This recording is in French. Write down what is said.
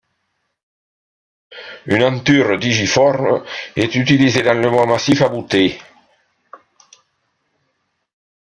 Une enture digiforme est utilisée dans le bois massif abouté.